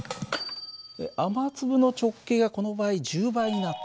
雨粒の直径がこの場合１０倍になってる。